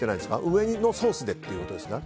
上のソースでってことですか。